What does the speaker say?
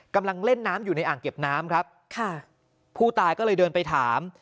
กำลังเล่นน้ำอยู่ในอ่างเก็บน้ำครับค่ะผู้ตายก็เลยเดินไปถาม